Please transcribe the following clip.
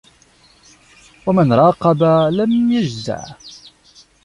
وَمَنْ رَاقَبَ لَمْ يَجْزَعْ